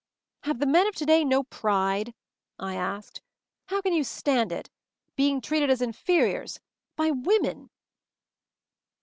"Have the men of to day no pride?" I asked. "How can you stand it — being treated as inferiors — by women?"